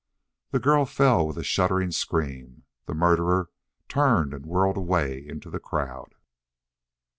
The girl fell with a shuddering scream. The murderer turned and whirled away into the crowd.